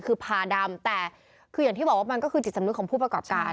คือพาดำแต่คืออย่างที่บอกว่ามันก็คือจิตสำนึกของผู้ประกอบการ